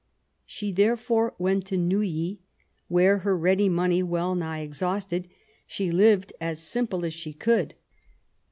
She therefore went to Neuilly, where, her ready money well nigh ex hausted, she lived as simple as she could.